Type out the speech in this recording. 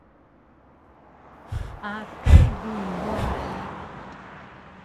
Akay bi wah